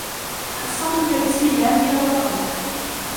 حَصَّنْتُكَ بِاسْمِ الله يَا وَطَنُ